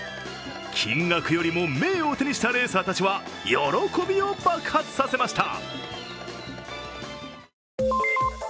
金額よりも名誉を手にしたレーサーたちは喜びを爆発させました。